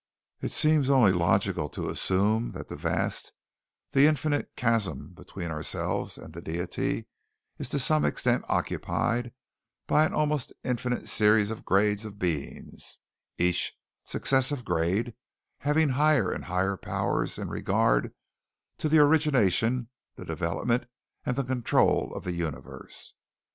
"... It seems only logical to assume that the vast, the infinite chasm between ourselves and the Deity, is to some extent occupied by an almost infinite series of grades of beings, each successive grade having higher and higher powers in regard to the origination, the development and the control of the universe.